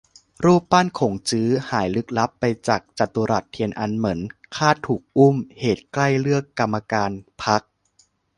รูปปั้นขงจื้อ หายลึกลับไปจากจตุรัสเทียนอันเหมิน คาดถูก "อุ้ม" เหตุใกล้เลือกกรรมการพรรค